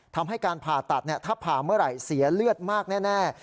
ทำให้การผ่าตัดถ้าผ่าเมื่อไหร่เสียเลือดมากแน่